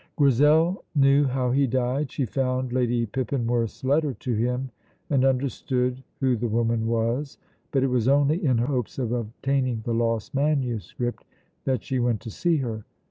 Grizel knew how he died. She found Lady Pippinworth's letter to him, and understood who the woman was; but it was only in hopes of obtaining the lost manuscript that she went to see her.